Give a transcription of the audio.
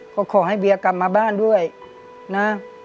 ก็ขอให้เบียกลับมาบ้านด้วยนะ